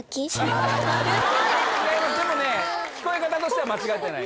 違いますでもね聴こえ方としては間違ってない。